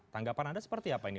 tanggapan anda seperti apa ini